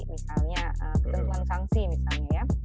misalnya ketentuan sanksi misalnya ya